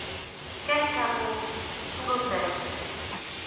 Quel caveau ? Sous l'autel.